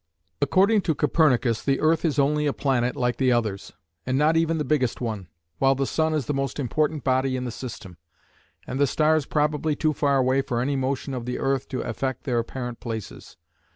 According to Copernicus the earth is only a planet like the others, and not even the biggest one, while the sun is the most important body in the system, and the stars probably too far away for any motion of the earth to affect their apparent places.